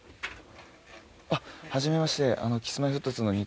あっ初めまして。